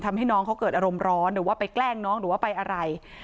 ทำให้น้องเขาเกิดอารมณ์ร้อนหรือว่าไปแกล้งน้องหรือว่าไปอะไร